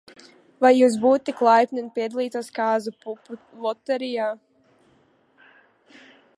Vai jūs būtu tik laipni, un piedalītos kāzu pupu loterijā?